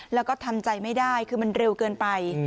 แล้วก็ทำใจไม่ได้คือมันเร็วเกินไป